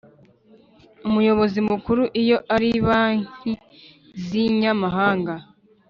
Umuyobozi Mukuru iyo ari banki z inyamahanga